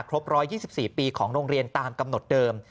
ครบ๑๒๔ปีของโรงเรียนตามกำหนดเดิม